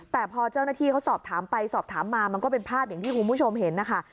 แต่พอเจ้าหน้าที่เขาสอบถามไปสอบถามมามันก็เป็นภาพอย่างที่คุณผู้ชมเห็นนะคะ